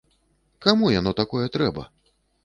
Каму яно такое трэба?